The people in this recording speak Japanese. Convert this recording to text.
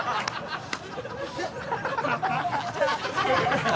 ハハハ